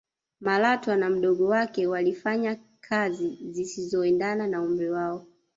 malatwa na mdogo wake walifanya kazi zisizoendana na umri wao